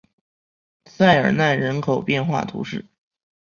塞尔奈人口变化图示